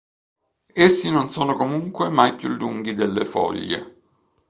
Essi non sono comunque mai più lunghi delle foglie.